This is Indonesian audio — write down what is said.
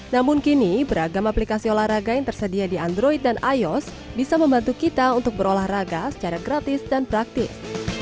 namun kini beragam aplikasi olahraga yang tersedia di android dan ios bisa membantu kita untuk berolahraga secara gratis dan praktis